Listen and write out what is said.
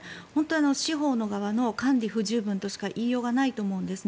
司法の側の管理不十分としか言いようがないと思うんです。